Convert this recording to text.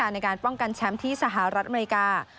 ในการป้องกันแชมป์ที่สหรัฐอเมริกา